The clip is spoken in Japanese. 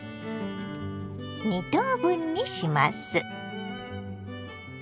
２等分にします。